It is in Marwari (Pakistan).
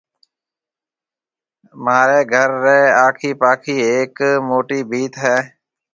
مهاريَ گهر ريَ آکِي پاکِي هيَڪ موٽِي ڀِيت هيَ۔